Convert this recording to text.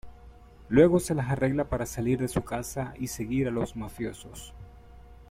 Luego, se las arregla para salir de su casa y seguir a los mafiosos.